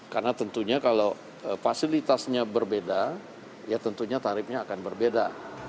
karena tentunya kalau fasilitasnya berbeda ya tentunya tarifnya akan berbeda